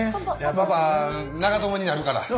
パパ長友になるから！